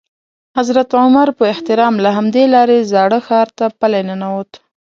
حضرت عمر په احترام له همدې لارې زاړه ښار ته پلی ننوت.